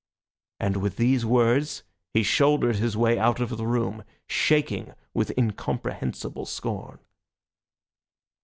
And with these words he shouldered his way out of the room, shaking with incomprehensible scorn.